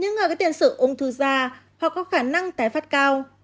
những người có tiền sử ung thư da hoặc có khả năng tái phát cao